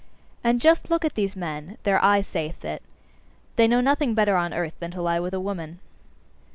And just look at these men: their eye saith it they know nothing better on earth than to lie with a woman.